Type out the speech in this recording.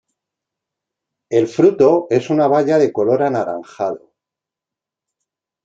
El fruto es una baya de color anaranjado.